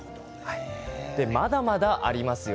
まだまだありますよ。